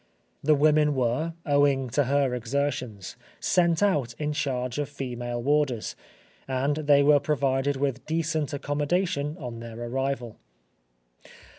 The women were, owing to her exertions, sent out in charge of female warders, and they were provided with decent accommodation on their arrival.